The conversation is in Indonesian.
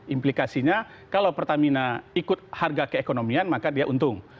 implikasinya kalau pertamina ikut harga keekonomian maka dia untung